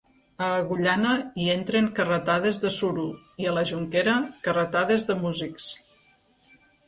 A Agullana hi entren carretades de suro i, a la Jonquera, carretades de músics.